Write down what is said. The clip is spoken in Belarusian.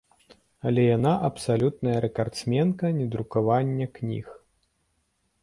Але яна абсалютная рэкардсменка недрукавання кніг.